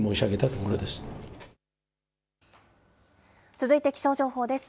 続いて気象情報です。